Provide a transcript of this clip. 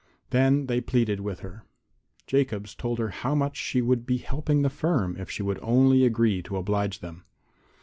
Then they pleaded with her. Jacobs told her how much she would be helping the firm if she would only agree to oblige them.